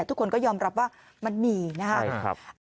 ทุกคนก็ยอมรับว่ามันมีนะครับ